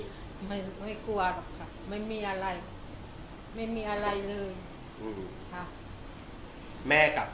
ไม่กลัวหรอกครับไม่มีอะไรไม่มีอะไรเลย